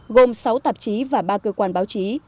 gồm sáu tạp chí và ba cơ quan báo chí